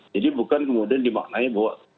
bukan kemudian dimaknai bahwa